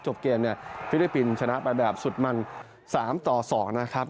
จบเกมฟิลิปปินส์ชนะประแบบสุดมัน๓ต่อ๒นะครับ